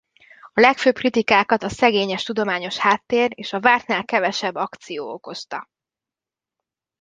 A legfőbb kritikákat a szegényes tudományos háttér és a vártnál kevesebb akció okozta.